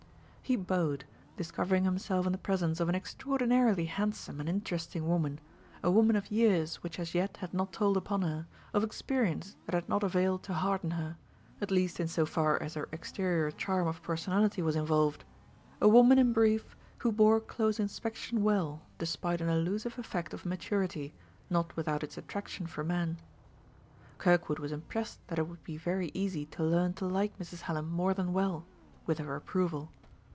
He bowed, discovering himself in the presence of an extraordinarily handsome and interesting woman; a woman of years which as yet had not told upon her, of experience that had not availed to harden her, at least in so far as her exterior charm of personality was involved; a woman, in brief, who bore close inspection well, despite an elusive effect of maturity, not without its attraction for men. Kirkwood was impressed that it would be very easy to learn to like Mrs. Hallam more than well with her approval.